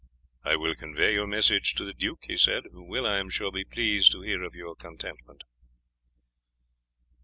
"I will convey your message to the duke," he said, "who will, I am sure, be pleased to hear of your contentment."